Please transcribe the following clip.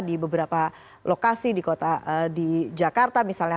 di beberapa lokasi di jakarta misalnya